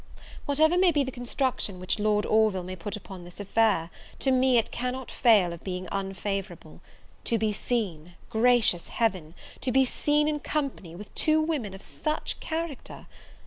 Whatever may be the construction which Lord Orville may put upon this affair, to me it cannot fail of being unfavourable; to be seen gracious Heaven! to be seen in company with two women of such character!